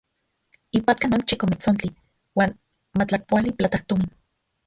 Ipatka non chikometsontli uan matlakpoali platajtomin.